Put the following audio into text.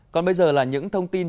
còn bây giờ là những thông tin